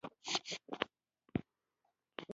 توپک د وینې تږی وي.